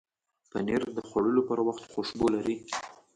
پنېر د خوړلو پر وخت خوشبو لري.